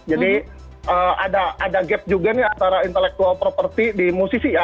jadi ada gap juga nih antara intellectual property di musisi ya